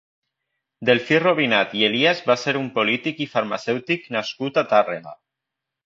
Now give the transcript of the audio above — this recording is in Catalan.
Delfí Robinat i Elías va ser un polític i farmacèutic nascut a Tàrrega.